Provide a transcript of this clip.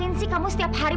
selain kesodia partido